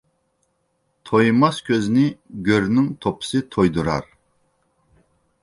تويماس كۆزنى گۆرنىڭ توپىسى تويدۇرار.